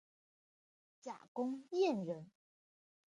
贾公彦人。